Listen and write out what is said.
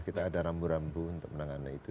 kita ada rambu rambu untuk menangani itu